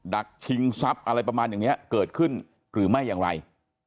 ักชิงทรัพย์อะไรประมาณอย่างนี้เกิดขึ้นหรือไม่อย่างไร